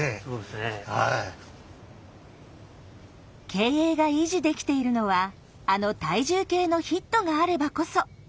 経営が維持できているのはあの体重計のヒットがあればこそ。